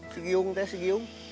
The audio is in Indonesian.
si giung teh si giung